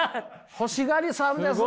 欲しがりさんですね！